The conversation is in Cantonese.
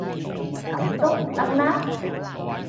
噉都唔得咩？